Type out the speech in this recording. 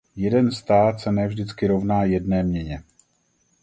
Jeden stát se ne vždycky rovná jedné měně.